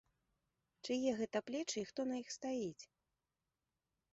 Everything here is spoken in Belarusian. Чые гэта плечы і хто на іх стаіць?